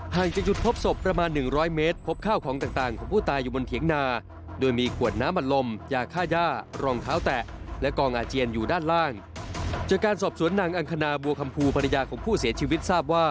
ห่างจากจุดพบศพประมาณ๑๐๐เมตร